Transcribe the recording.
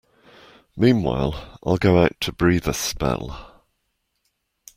Meanwhile I'll go out to breathe a spell.